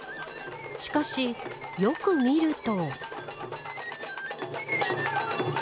しかし、よく見ると。